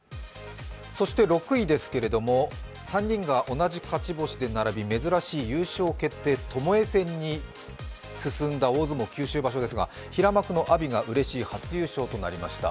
６位ですけれども、３人が同じ勝ち星で並び珍しい優勝決定、ともえ戦に進んだ大相撲九州場所ですが、平幕の阿炎がうれしい初優勝となりました。